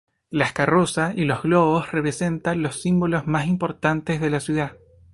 Las carrozas y los globos representan los símbolos más importantes de la ciudad.